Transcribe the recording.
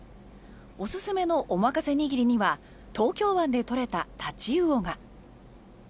おすすめのお任せ握りには東京湾で取れたタチウオが。